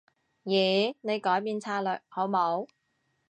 咦？你改變策略好冇？